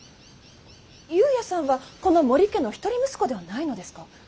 由也さんはこの母里家の一人息子ではないのですか？